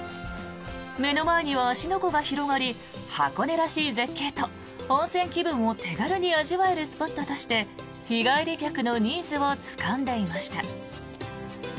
目の前には芦ノ湖が広がり箱根らしい絶景と温泉気分を手軽に味わえるスポットとして日帰り客のニーズをつかんでいました。